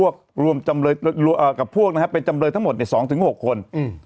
กับพวกเป็นจำเลยทั้งหมด๒๖คน